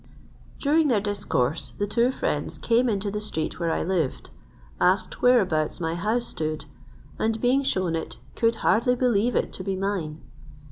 During their discourse the two friends came into the street where I lived, asked whereabouts my house stood; and being shewn it, could hardly believe it to be mine.